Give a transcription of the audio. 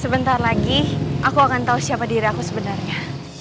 sebentar lagi aku akan tahu siapa diri aku sebenarnya